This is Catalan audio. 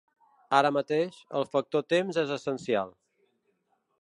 Ara mateix, el factor temps és essencial.